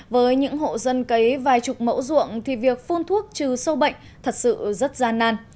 với những hộ dân cấy vài chục mẫu ruộng thì việc phun thuốc trừ sâu bệnh thật sự rất gian nan